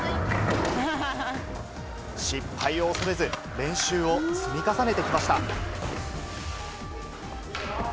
失敗を恐れず、練習を積み重ねてきました。